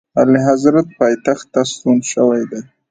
اعلیحضرت پایتخت ته ستون شوی دی.